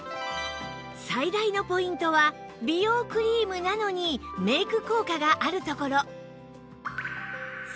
最大のポイントは美容クリームなのにメイク効果があるところ